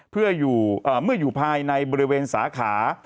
เพื่ออยู่ภายในบริเวณสาขา